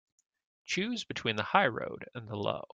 Choose between the high road and the low.